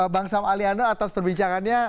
bang sam aliano atas perbincangannya